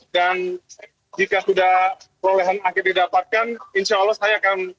dan jika sudah perolehan akhir didapatkan insya allah saya akan memohon